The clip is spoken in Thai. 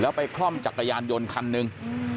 ไปคล่อมจักรยานยนต์คันหนึ่ง